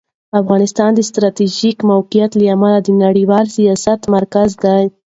افغانستان د ستراتیژیک موقعیت له امله د نړیوال سیاست مرکز دی.